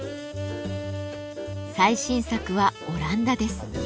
最新作はオランダです。